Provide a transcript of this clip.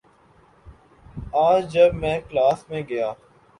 آج جب میں کلاس میں گیا